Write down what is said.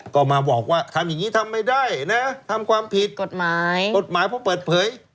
ก็มาบอกว่าทำอย่างนี้ทำไม่ได้นะทำความผิดกฎหมายเพราะเปิดเผย